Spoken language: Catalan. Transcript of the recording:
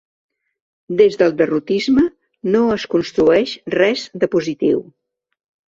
Des del derrotisme, no es construeix res de positiu.